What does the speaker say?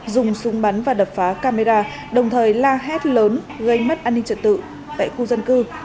dùng súng bắn và đập phá camera đồng thời la hét lớn gây mất an ninh trật tự tại khu dân cư